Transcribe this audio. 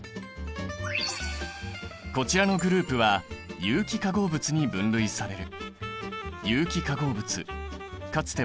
こちらのグループは有機化合物に分類される。